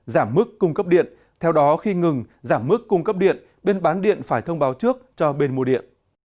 giảm mức cung cấp điện theo đó khi ngừng giảm mức cung cấp điện bên bán điện phải thông báo trước cho bên mua điện